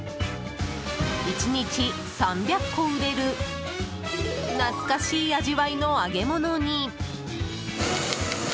１日３００個売れる懐かしい味わいの揚げ物に。